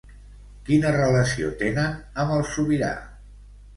Quina relació tenen amb el sobirà?